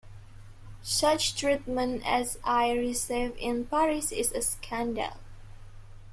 Such treatment as I received in Paris is a scandal.